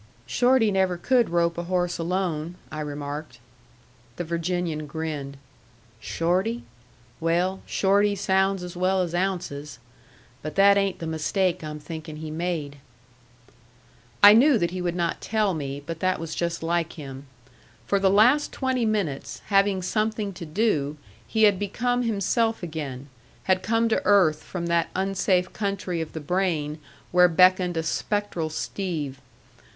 "Shorty never could rope a horse alone," I remarked. The Virginian grinned. "Shorty? Well, Shorty sounds as well as Ounces. But that ain't the mistake I'm thinking he made." I knew that he would not tell me, but that was just like him. For the last twenty minutes, having something to do, he had become himself again, had come to earth from that unsafe country of the brain where beckoned a spectral Steve.